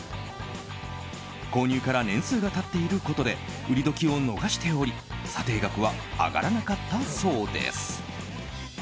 購入から年数が経っていることで売り時を逃しており査定額は上がらなかったそうです。